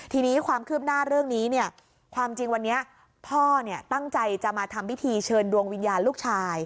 ทีนี้ความคืบหน้าเรื่องนี้เนี่ยความจริงวันนี้พ่อตั้งใจจะมาทำพิธีเชิญดวงวิญญาณลูกชาย